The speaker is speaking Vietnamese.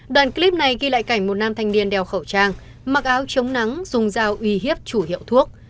đoạn clip này ghi lại cảnh một nam thanh niên đeo khẩu trang mặc áo chống nắng dùng dao uy hiếp chủ hiệu thuốc